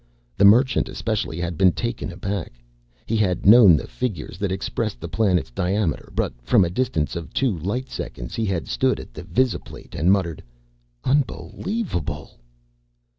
The Merchant, especially, had been taken aback. He had known the figures that expressed the planet's diameter, but from a distance of two light seconds, he had stood at the visi plate and muttered, "Unbelievable!"